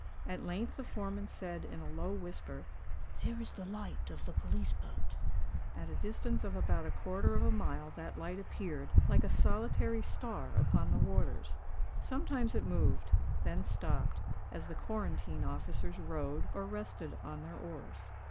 At length the foreman said in a low whisper, "There is the light of the police boat." At a distance of about a quarter of a mile that light appeared, like a solitary star upon the waters. Sometimes it moved—then stopped, as the quarantine officers rowed, or rested on their oars.